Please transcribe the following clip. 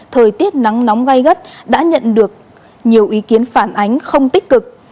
thời tiết nắng nóng gai gắt đã nhận được nhiều ý kiến phản ánh không tích cực